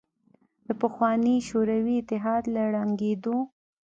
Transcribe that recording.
د پخواني شوروي اتحاد له ړنګېدو